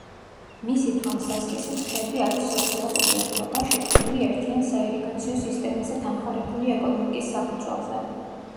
მისი თვალსაზრისით, ხევი არის სოციალური ერთობა, შექმნილი ერთიან საირიგაციო სისტემაზე დამყარებული ეკონომიკის საფუძველზე.